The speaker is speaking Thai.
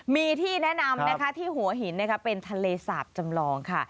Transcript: มีที่แนะนำนะคะที่หัวหินเป็นทะเลสาบจำลองค่ะ